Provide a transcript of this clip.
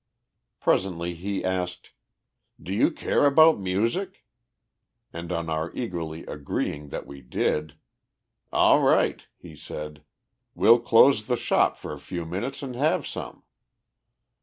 Presently he asked, "Do you care about music?" and on our eagerly agreeing that we did, "All right," he said, "we'll close the shop for a few minutes and have some."